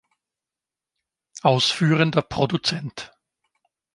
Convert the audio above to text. Ausführender Produzent